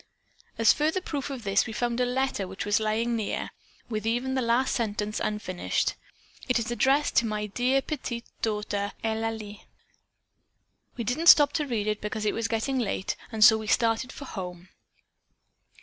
As further proof of this we found a letter which was lying near, with even the last sentence unfinished. It is addressed to 'My dear petite daughter Eulalie.' We didn't stop to read it because it was getting late and so we started for home."